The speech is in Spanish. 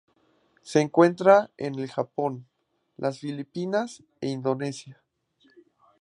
Se encuentra en el Japón, las Filipinas e Indonesia.